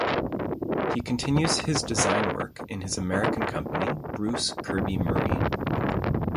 He continues his design work in his American company, Bruce Kirby Marine.